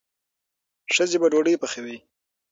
ښځې به ډوډۍ پخوي.